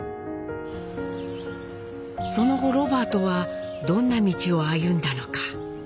その後ロバートはどんな道を歩んだのか。